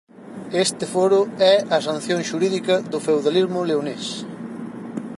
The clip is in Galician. Este Foro é a sanción xurídica do feudalismo leonés.